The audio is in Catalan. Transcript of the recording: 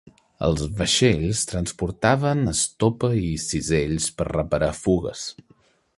Els vaixells transportaven estopa i cisells per reparar fugues.